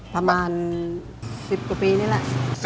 ประมาณ๑๐กว่าปีนี่แหละ